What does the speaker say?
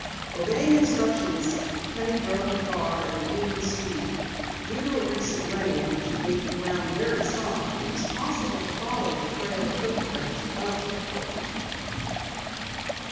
Obeying instructions, Penny drove the car at an even speed. Due to a recent rain which had made the ground very soft, it was possible to follow the trail of hoof prints without difficulty.